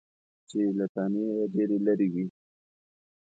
چې له تنې یې ډېرې لرې وي .